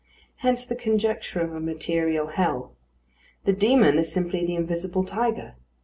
Hence the conjecture of a material hell. The demon is simply the invisible tiger.